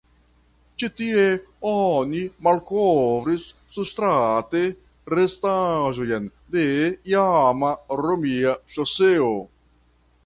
Ĉi tie oni malkovris surstrate restaĵojn de iama romia ŝoseo.